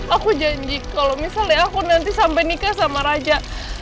aku janji kalau misalnya aku nanti sampai nikah sama raja